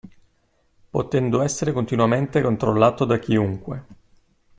Potendo essere continuamente controllato da chiunque.